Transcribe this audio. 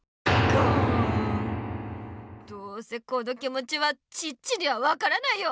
どうせこの気もちはチッチには分からないよ。